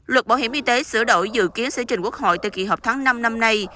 luật bảo hiểm y tế sửa đổi dự kiến sẽ trình quốc hội từ kỳ họp tháng năm năm nay